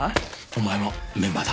お前もメンバーだ。